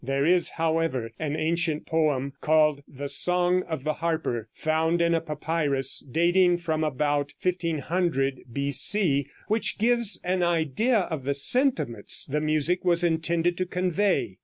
There is, however, an ancient poem, called "The Song of the Harper" found in a papyrus dating from about 1500 B.C., which gives an idea of the sentiments the music was intended to convey.